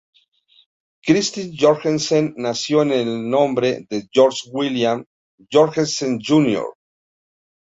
Christine Jorgensen nació con el nombre de George William Jorgensen Jr.